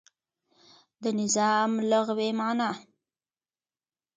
د نظام لغوی معنا